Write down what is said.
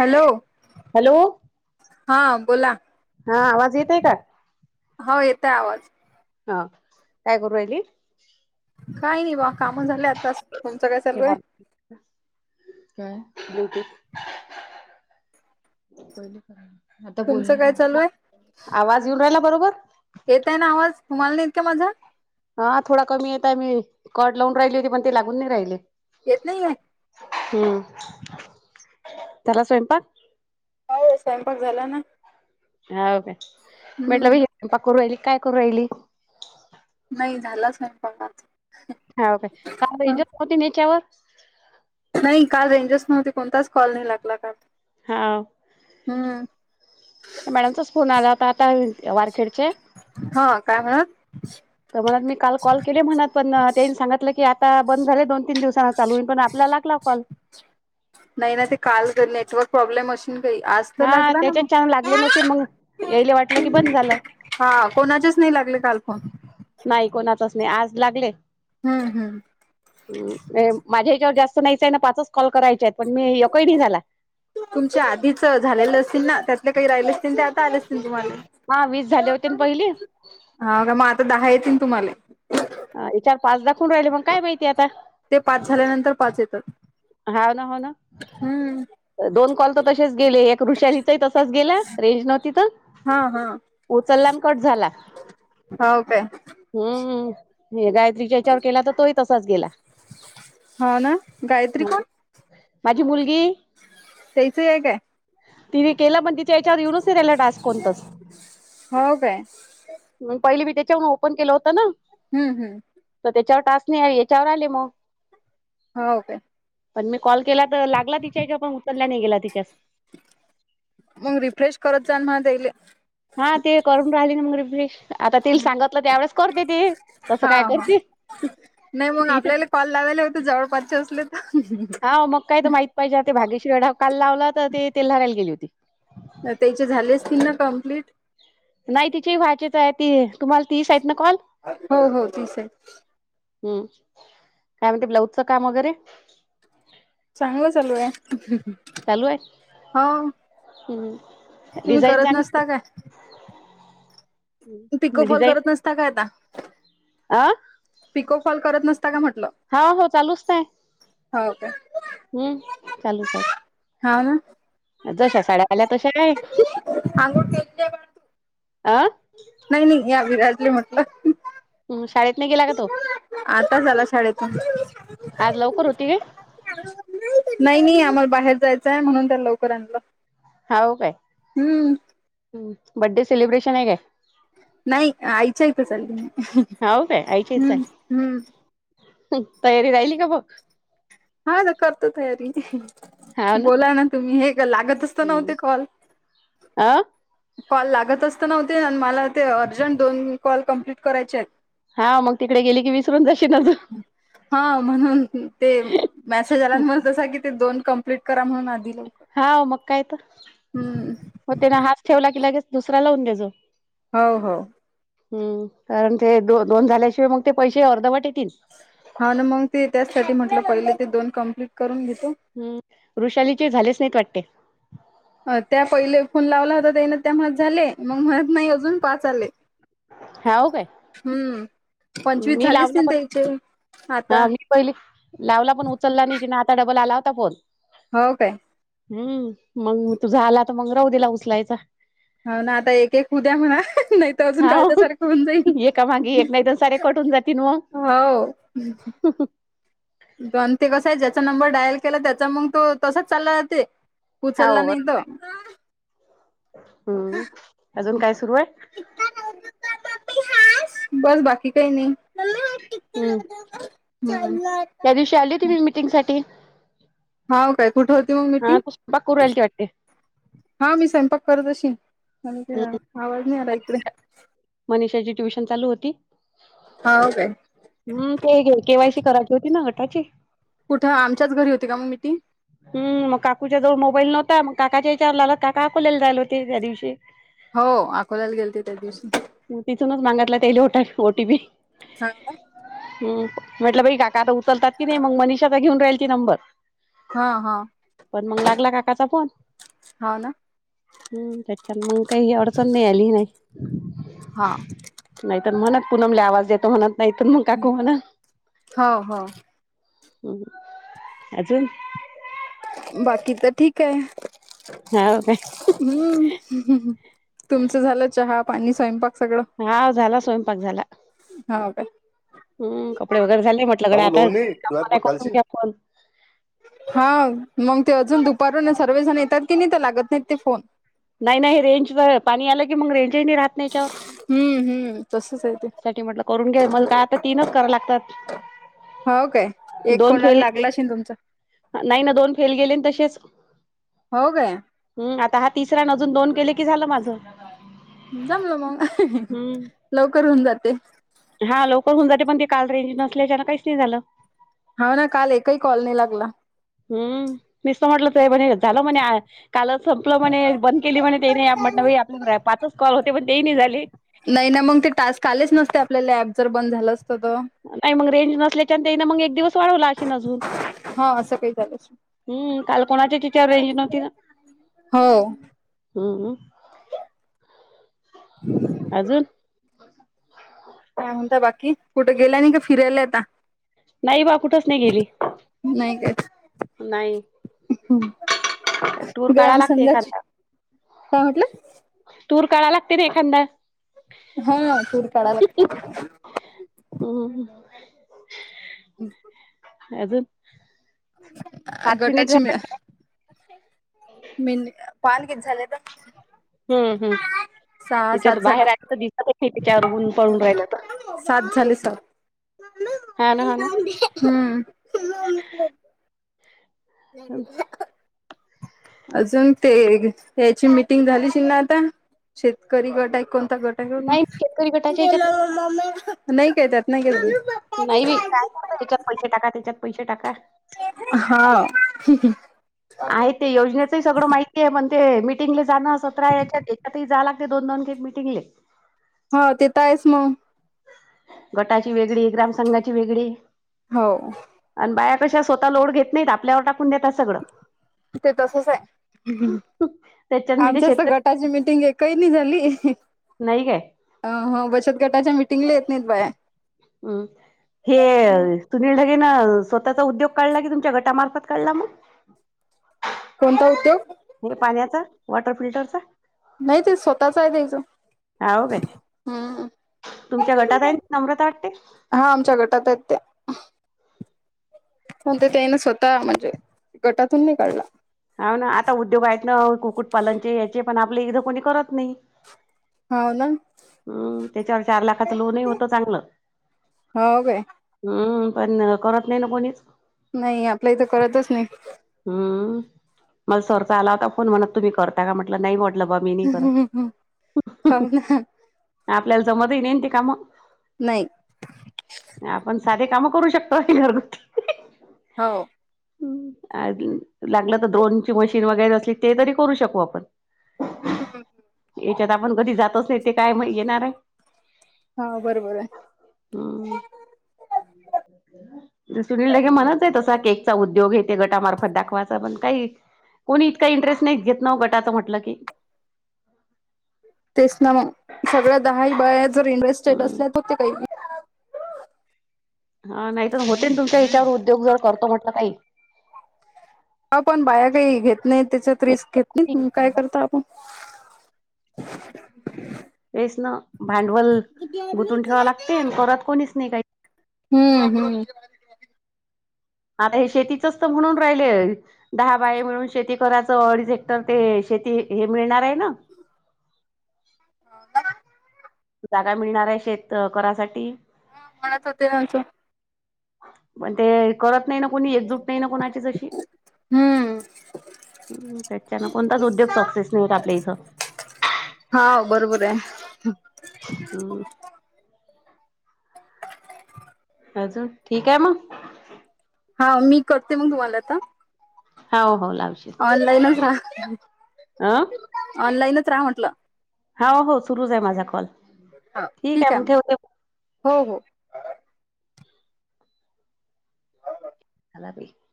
Hello hello हा बोला हा आवाज येतय का हो येतय आवाज हा काय करू राहिली काही नाही बा काम झाले आता तुमचं काय चालू आहे हम् ब्लटुथ आता बोल तुमचं काय चालू आहे आवाज येऊन राहिला बरोबर येतय ना आवाज तुम्हाला नाहीत का माझा हा थोडा कमी येतताय मी कट लावून राहिली होती पण ते लागून नाही राहिले येत नाही आहे हम्म त्याला स्वयंपाक हय स्वयंपाक झाला ना हा काे म्हटलं हम्म बैपा करू राहिली काय करू राहिली नाही झालाच नाही पण आता हा काय काती नेच्यावर नाही काल रेंजर्स नव्हते कोणताच कॉल नाही लागला का हा हम्म मॅडमचाच फोन आला होता आता वारखेडचे हा काय म्हणत तर म्हणत मी काल कॉल केले म्हणत पण त्यांनी सांगितलं की आता बंद झाले दोन तीन दिवसांना चालूईन पण आपला लागला कॉल नाही ना ते काल नेटवर्क प्रॉब्लेम अ काही आज तर हा लागला ना मग त्याच्यात छान लागले नसेल मग याले वाटलं की बंद झालं हा कोणाचेच नाही लागले काल फोन नाही कोणातच नाही आज लागले हम्म हम्म माझ्या हच्यावर जास्त नाहीचय ना पाच कॉल करायचे आहेत पण मी यकळी नाही झाला तुमच्या आधीच झालेलं असतील ना त्या काही राहिल असतील ते आता आले असतील तुम्हाला हा वीस झाले होते ना पहिले हा का मग आता दहा येतीलन तुम्हाला अ इचार पाच दाखून राहिले मग काय माहितीय आता ते पाच झाल्यानंतर पाच येत. हाव ना, हो ना दोन कॉल तर तशेच गेले एक ऋषालीचाही तसाच गेला रेंज नव्हती तर हा -हा उचला अनं कट झाला. होव काय? हम्म मी हे गायत्रीच्या येच्यावर केला तर तोही तसाच गेला. [inaudible] हा ना गायत्री हं कोण माझी मुलगी सईच हे हाय काय? तिने केलं पण तिच्या याच्यावर येऊनच नाही राहिला टास्क कोणताच हो काय. मग पहिले मी त्याच्यावरून ओपन केलं होत ना हम्म -हम्म तर त्याच्यावर टास्क नाही याय याच्यावर आले मग हाव काय? पण मी कॉल केला तर लागला तिच्याहेच्याव पण उतरल्या नाही गेला तिच्यास मग रिफ्रेश करत जाल म्हण त्यायले. हा ते करून राहिले ना मग रिफ्रेश आता तिला सांगतलं त्यावेळस करते ती तसं हा काय हा. करती [inaudible] नाही मग आपल्याला कॉल लावायला होत जवळपासचे असले तर हा मग [inaudible] काय तर माहित पाहिजे ते भागेश्री वढाव काल लावला तर ते तेल्हाराला गेली होती. त्याचे झाले असतील ना कम्प्लीट? नाही तिची व्हायचेच आहे ती तुम्हाला तीस आहेत ना कॉल? हो -हो तीस आहेत. हम्म काय म्हणते ब्लाऊजचं काम वगैरे? चांगलं चालू आहे चालू आहे हो हम्म तुम्ही डिझाईन करत चांगली नसता काय? तिको मी फॉल डिझाईन करत नसता काय आता? अ पिको फाॅल करत नसता का म्हटलं हा- हो चालूच नाही. हो का? हम्म चालूच आहेत. हा ना जशा साड्या आल्या तशा काय अ [inaudible] नाही- नाही या विराटले म्हटलं. हम्म शाळेतनी गेला का तो? आताच आला शाळेतून. आज लवकर होती काय? [inaudible] नाई- नई आम्हाला बाहेर जायचंय म्हणून त्या लवकर आणलो. हा हो काय बड्डे सेलिब्रेशन आहे काय? नाही आईच्या ईथ चाल्ले मी हाव काय आईच्या ईथ हम्म. चालली तयारी राहिली का मग? हा आता करतो तयारी. बोला ना तुम्ही हे का लागतच तर हम्म नव्हते कॉल अ कॉल लागतच तर नव्हते आणि मला ते अर्जंट दोन कॉल कंप्लीट करायचेत. हा मग तिकडे गेली की विसरून जाशीन अजुन [inaudible] हा म्हणून ते मॅसेज आल्या म तस की ते दोन कंप्लीट करा म्हणून आधी लवकर हा मग काय तर हम्म म त्याने हाच ठेवला की लगेच दुसरा लावून देजो. हो -हो हम्म, कारण ते द -दोन झाल्याशिवाय मग ते पैसे अर्धवट येतील. हा ना मग ते त्याचसाठी म्हटलं पहिले ते दोन कंप्लीट करून घेतो. हम्म वृषालीचे झालेच नाहीत वाटते. अ त्या पहिले फोन लावला होता त्यान त्या मत झाले मग मणत नाही अजून पाच आले हाव काय हम्म पंचवीस मी झालेच लावला नाही पण त्या इथ हा मी पहिली लावला पण उचलला नाही ति आता डबल आला होता फोन हो काय हम् मग तुझा झाला तर मंग राऊ दिला उचलायचा हो ना आता एक एक उद्या म्हणा ते अजून हाव काळच्या सारखं होऊन जाईल एका मागे एक नाही तर सारे कट होऊन जातील मग हो दनती कसा आहे ज्याचा नंबर डायल केला त्याचा मग तो तसाच चालला उचला हाव नाही बरं त हम्म अजून काय सुरू आहे बस बाकी काही नाही हम्म चल ना त्या दिवशी आली तुम्ही मीटिंग साठी होा काय कुठे होती मग हा मीटिंग तू स्वयंपाक करू राहिलती वाटते हा मी स्वयंपाक करतशी म्ह ते आवाज नाही आला इतरे मनिषाची ट्युशन चालू होती हा हो का हम् ते घे केवाय सी करायची होती ना गटाची कुठं आमच्याच घरी होती का मग मी ती हम् मग काकूच्या जवळ मोबाईल नव्हता मग काकाच्या विचार लाला काका अकोल्याला जायला होते त्या दिवशी हो अकोल्याला गेलते त्या दिवशी तिथूनच मागतला ते ओटीपी सांगू हम म्हटलं बाई काका आता उचलतात कि नाही मग मनिषाचा घेऊन राहील ती नंबर हा हा पण मग लागला काकाचा फोन हो ना हम्म त्याच्या मग काही ही अडचण नाही आली नाही हा नाहीतर म्हणत पुूनमला आवाज येतो म्हणत नाहीत मग काकू म्हणा हो हो ह अजून बाकी तर ठीक आहे हो का हम्म तुमचं झालं चहा पाणी स्वयंपाक सगळं हा झाला स्वयंपाक झाला हो का हम कपडे वगैरे झाले म्हटलं कडे आता लोणी दुधात एला कुट कोून घालशील? घ्या फण हा मग ते अजून दुपारून सर्वजण येतात की नाही तर लागत नाहीत ते फोन नाही नाही रेंज तर पाणी आलं की मग रेंजही नाही राहत नाही याच्यावर हम्म हम्म तसच आहे ते सा म्हटल करून घे मल का आता तीनच कराव लागतात हो काय एक दोन कोणाला फेल लागलाश ना तुमचा नाही ना दोन फेल गेले तसेच हो गया हम् आता हा तिसरा न अजून दोन केले की झालं माझं जमलं मग हम् लवकर होऊन जाते हा लवकर होऊन जाते पण ते काल रेंज नसल्याच्यानं काहीच नाही झालं हा ना काल एकही कॉलनी लागला हम्म मीसत म्हटलं तर म्हणे झालं म्हणे कालच संपलं म्हणे बंद केली म्हणणे ते नाही म्हणलं आपल्या पाच कॉल होते पण ते नाही झाले नाही ना मग ते टास्क आलेच नसते आपल्याला ऍप जर बंद झालं असतं तर. नाही मग रेंज नसल्याच्यान त्याना मग एक दिवस वाढवला अशी अजून. हा असं काही झालं असेल. हम्म काल कोणाच्या टिचवर रेंज नव्हती ना. हो. हम ह. [unintelligible] अजून काय म्हणता बाकी कुठे गेल्या नाही का फिरायला आता. नाही बा कुठंच नाही गेली. नाही काच नाही. टूर कढा ग्राम लागते संघाची एखादा. काय म्हटलं तूर कराय लागते ना एखादा. हा टुर काढा लागते. हम! हम्. अजुन. गटाची मिळ झाले मिल्क. पान किती झालेल. हम्म हम् त्याच्यात सात बाहेर झाले आच दिसतच नाही त्याच्यावरन पळून राहिलं तर. सात झाली सात हा ना हा ना हम्. [unintelligible] अजून ते याची मिटिंग झालीशि ना आता. शेतकरी गट आहे कोणता गट. नाही शेतकरी गटाच्या ह्याच्यात नाही काय त्यातनाही का नाही बाई काय करत याच्यात पैसे टाका त्याच्यात पैसे टाका. हा आहे ते योजनेचंही सगळं माहिती आहे पण ते मीटिंगला जाणं सतरा याच्यात त्याच्यातही झाला. ते दोन दोने मिटिंगले. हा तेथ आहेस मग. गटाची वेगळी ग्रामसंघाची वेगळी. हो. आणि बाया कशा स्वतः लोड घेत नाहीत आपल्यावर टा टाकून देता सगळं, ते तसच आहे त्याच्यात म्हणजे शेतकरी त्याची मीटिंग एक ही नाही झाली. नाही काय. अ हो बचत गटाच्या मिटिंगला येत नाहीत बाया. हम! हे सुनील ढगेनं स्वतःचा उद्योग काढला कि तुमच्या घटामार्फत काढला मग. कोणता उद्योग? हे पाण्याचं वॉटर फिल्टरचं. नाही ते स्वतःच आहे त्याचं. हाव काय हम्म! तुमच्या गटात आहे नम्रता वाटते. हा आमच्या गटात आहेत त्या. पण ते त्याने स्वतः म्हणजे गटातून नि काढला. हा ना आता उद्योग आहेत ना, कुक्कुटपालनचे याचे पण आपले इथं कोणी करत नाही. हाव ना. हम्म त्याच्यावर चार लाखाच लोनही होत चांगलं. हो काय हम्म! पण करत नाही ना कोणीच. नई... आपल्या इथं कळतंच नई हम्म... मला सरचा आला होता फोन, म्हणत... तुम्ही करता का... म्हटलं नई हो लं... बा... मी नई करत... हो ना आपल्याला जमतही नई ना... ती कामं नई नाय... आपण साधे कामं करू शकतोय.... घरगुती हो हुं... अ... लागलं तर... द्रोणची मशीन वगैरे असली... ते तरी करू शकू आपण हम्म येच्यात आपण कधी जातच नाई... ते काय मग येणार ए हा... बरोबर ए हम्म. ते सुनील [unintelligible] मलाच देतात... तसा केकचा उद्योग... हे ते गटामार्फत दाखवायचा पण काही कुणी इतका इंटरेस्ट... नई घेत ना वं... गटाचं म्हटलं की तेच ना मग... सगळ्या दहा ही बाया... जर इंटरेस्टेड हम्म. असल्या तर ते काही हा... नाई तर होतेन तुमच्या हिच्यावर उद्योग, जर करतो म्हटलं काही हा... पण बाया काई... घेत न्हाईत, त्याच्यात रिस्क घेत नाईत, मग काय करता आपण [unintelligible] तेच ना... भांडवल... गुंतून ठेवा लागते... अन करत कुणीच नई काई हुं... हुं. आता हे... शेतीचच तर... म्हणून राहिलेय दहा बाय मिळून शेती करायचं... अडीच हेक्टर, ते शेती हे... मिळणार ए ना [unintelligible] जागा मिळणार ए... शेत.. अ.. करासाठी म्हणत होते आमचं पण ते... करत नाई ना कुणी... एकजूट नई ना, कोणाची जशी हम्म ह.. त्याच्यानं कोणताच उद्योग सक्सेस नई होत आपल्या इथं हा... बरोबर ए हम्म. अजून... ठीक ए मग हाव... मी करते मग.. तुम्हाला आता हाव... हाव... लावशी ऑनलाईनच राहा... अ ऑनलाईनच राहा म्हटलं हा... हो... सुरूच ए... माझा कॉल हं... ठीक ए मग... हो हो. [unintelligible]